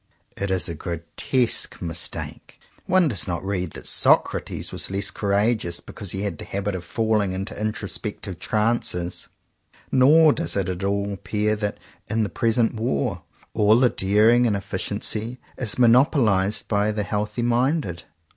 It is a gro tesque mistake. One does not read that Socrates was less courageous because he had the habit of falling into introspective ranees, nor does it at all appear that, in tthe present war, all the daring and effi ciency is monopolized by the healthy minded.